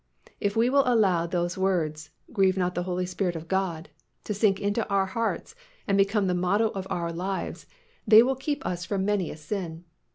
If we will allow those words, "Grieve not the Holy Spirit of God," to sink into our hearts and become the motto of our lives, they will keep us from many a sin.